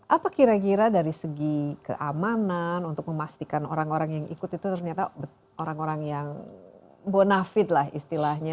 apa kira kira dari segi keamanan untuk memastikan orang orang yang ikut itu ternyata orang orang yang bonafit lah istilahnya